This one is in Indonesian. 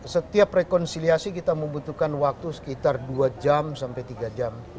setiap rekonsiliasi kita membutuhkan waktu sekitar dua jam sampai tiga jam